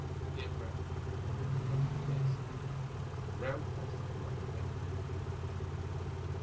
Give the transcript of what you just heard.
He unwrapped it and put it on Lausch's desk. The round faced little man bent forward to look at it.